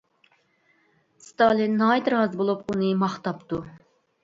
ستالىن ناھايىتى رازى بولۇپ، ئۇنى ماختاپتۇ.